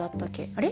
あれ？